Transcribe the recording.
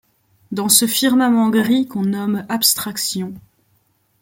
Dans ce firmament gris qu’on nomme abstraction